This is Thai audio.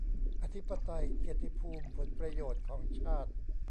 อธิปไตย เกียรติภูมิ ผลประโยชน์ของชาติ